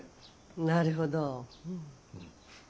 なるほど。